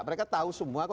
mereka tahu semua